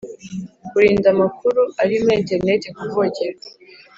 kurinda amakuru ari muri interineti kuvogerwa